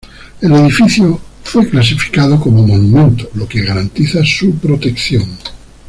El edificio fue clasificado como monumento, lo que garantiza su protección.